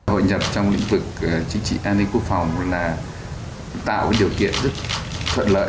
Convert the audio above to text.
hội nhập trong lĩnh vực chính trị an ninh quốc phòng là tạo điều kiện rất thuận lợi